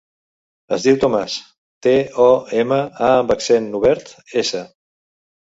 Es diu Tomàs: te, o, ema, a amb accent obert, essa.